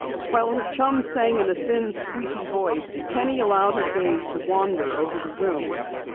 While her chum sang in a thin, squeaky voice, Penny allowed her gaze to wander over the room.